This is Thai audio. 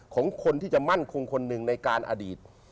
ของคนที่จะมั่นคงคนหนึ่งในการอดีต